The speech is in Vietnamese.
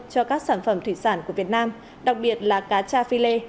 cho các sản phẩm thủy sản của việt nam đặc biệt là cá tra phi lê